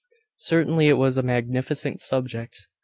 Certainly it was a magnificent subject.